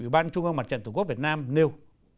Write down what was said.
ủy ban trung ương mặt trận tổ quốc việt nam nêu